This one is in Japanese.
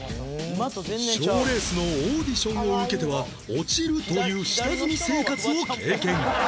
賞レースのオーディションを受けては落ちるという下積み生活を経験